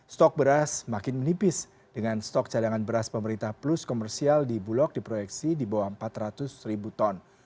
stok beras semakin menipis dengan stok cadangan beras pemerintah plus komersial di bulog diproyeksi di bawah empat ratus ribu ton